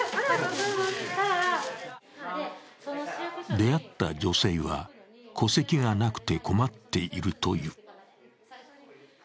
出会った女性は戸籍がなくて困っているという。